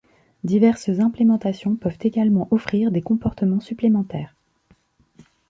Diverses implémentations peuvent également offrir des comportements supplémentaires.